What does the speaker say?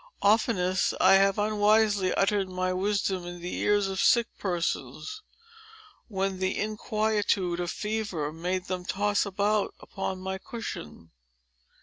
Oftenest, I have unwisely uttered my wisdom in the ears of sick persons, when the inquietude of fever made them toss about, upon my cushion.